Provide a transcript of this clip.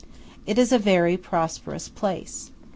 It is a very prosperous place.